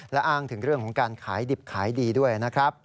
และอ้างถึงเรื่องของการขายดิบขายดีด้วยนะครับ